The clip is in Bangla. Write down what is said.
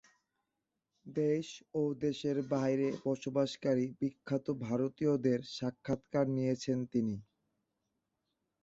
দেশে ও দেশের বাইরে বসবাসকারী বিখ্যাত ভারতীয়দের সাক্ষাৎকার নিয়েছেন তিনি।